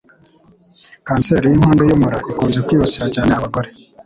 Kanseri y'inkondo y'umura ikunze kwibasira cyane abagore